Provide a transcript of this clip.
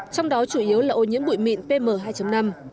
trong đó chủ yếu là ô nhiễm bụi mịn pm hai năm